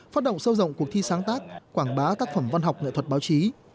phát động sâu rộng cuộc thi sáng tác quảng bá tác phẩm văn học nghệ thuật báo chí